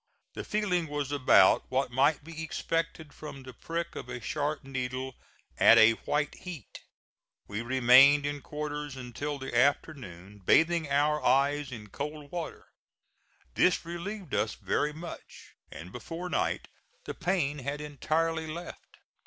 The feeling was about what might be expected from the prick of a sharp needle at a white heat. We remained in quarters until the afternoon bathing our eyes in cold water. This relieved us very much, and before night the pain had entirely left.